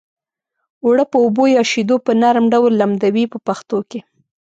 اوړه په اوبو یا شیدو په نرم ډول لمدوي په پښتو کې.